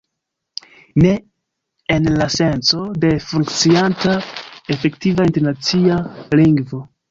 Ne en la senco de funkcianta, efektiva internacia lingvo.